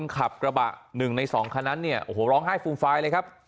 ขับกระบะ๑ใน๒คันนั้นเนี่ยโอ้โหร้องไห้ฟูมฟายเลยครับ